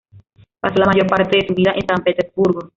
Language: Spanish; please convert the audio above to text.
Pasó la mayor parte de su vida en San Petersburgo.